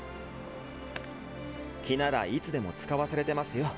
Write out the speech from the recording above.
気ならいつでも使わされてますよ。